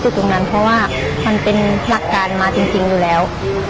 ตรงนั้นเพราะว่ามันเป็นหลักการมาจริงอยู่แล้ว